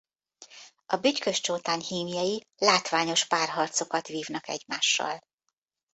A bütykös csótány hímjei látványos párharcokat vívnak egymással.